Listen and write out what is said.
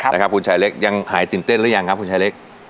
นะครับคุณชายเล็กยังหายตื่นเต้นหรือยังครับคุณชายเล็ก